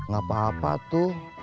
gak apa apa tuh